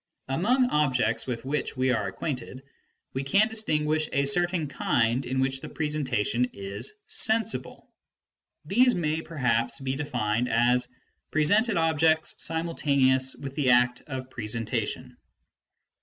Among objects with which we are acquainted, we can distin guish a certain kind in which the presentation is sensible. These may perhaps be defined as 'ŌĆó presented objects simultaneous with the act of presentation